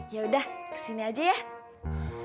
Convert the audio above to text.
yaudah kesini aja ya